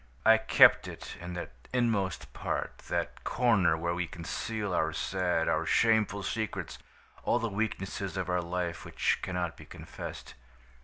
I kept it in that inmost part, that corner where we conceal our sad, our shameful secrets, all the weaknesses of our life which cannot be confessed.